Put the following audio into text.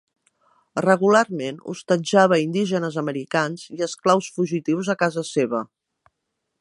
Regularment hostatjava indígenes americans i esclaus fugitius a casa seva.